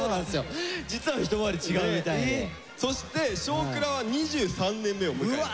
そして「少クラ」は２３年目を迎える。